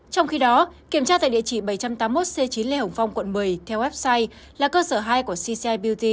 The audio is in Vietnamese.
trong khi đó kiểm tra tại địa chỉ bảy trăm tám mươi một c chín lê hồng phong quận một mươi theo website là cơ sở hai của cci beaut